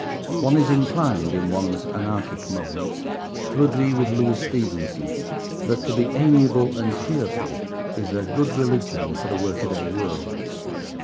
One is inclined, in one's anarchic moments, to agree with Louis Stevenson, that to be amiable and cheerful is a good religion for a work a day world.